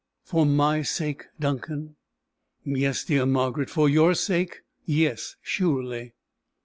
"For my sake, Duncan!" "Yes, dear Margaret; for your sake. Yes, surely."